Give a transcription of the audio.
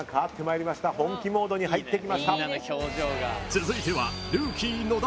［続いては］